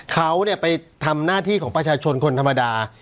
เขาไปทำหน้าที่ของประชาชนคนธรรมดา